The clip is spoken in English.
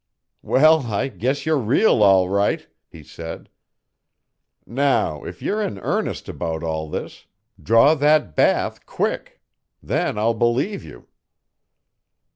"Well, I guess you're real, all right," he said. "Now if you're in earnest about all this, draw that bath quick. Then I'll believe you."